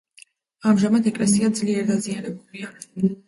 ამჟამად ეკლესია ძლიერ დაზიანებულია.